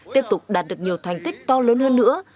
tiếp tục đạt được nhiều thành tích to lớn hơn nữa